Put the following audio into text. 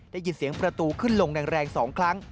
ได้ยินเสียงประตูขึ้นลงแรง๒ครั้ง